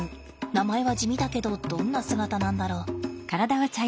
名前は地味だけどどんな姿なんだろう？